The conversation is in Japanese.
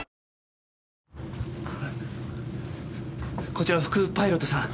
こちら副パイロットさん。